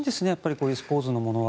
こういうスポーツのものは。